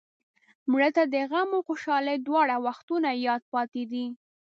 مړه ته د غم او خوشحالۍ دواړو وختونو یاد پاتې دی